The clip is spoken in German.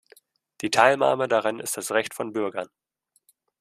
Die Teilnahme daran ist das Recht von Bürgern.